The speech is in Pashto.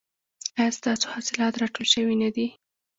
ایا ستاسو حاصلات راټول شوي نه دي؟